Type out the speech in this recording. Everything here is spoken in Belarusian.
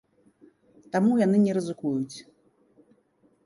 Таму яны не рызыкуюць.